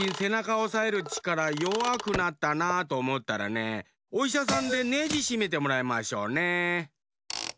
おさえるちからよわくなったなとおもったらねおいしゃさんでネジしめてもらいましょうね。